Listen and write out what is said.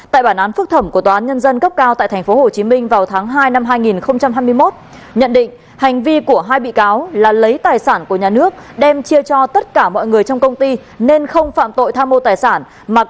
tại bản án phúc thẩm của tòa án nhân dân cấp cao tại tp hcm vào tháng hai năm hai nghìn hai mươi một nhận định hành vi của hai bị cáo là lấy tài sản của nhà nước đem chia cho tất cả mọi người trong công ty nên không phạm tội tham mô tài sản